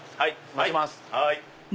待ちます！